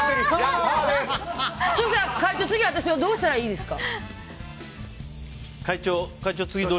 会長、次私どうしたらいいですか？